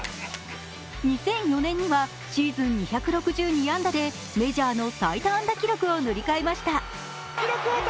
２００４年にはシーズン２６２安打でメジャーの最多安打記録を塗り替えました。